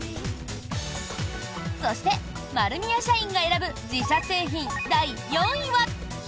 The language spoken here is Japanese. そして丸美屋社員が選ぶ自社製品第４位は。